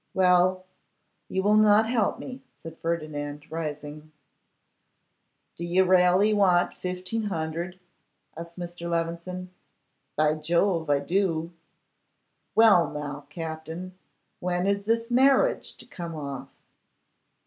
'Well; you will not help me,' said Ferdinand, rising. 'Do you raly want fifteen hundred?' asked Mr. Levison. 'By Jove, I do.' 'Well now, Captin, when is this marriage to come off?